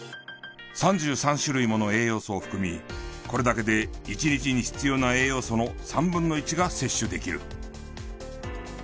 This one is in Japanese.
３３種類もの栄養素を含みこれだけで１日に必要な栄養素の３分の１が摂取できる。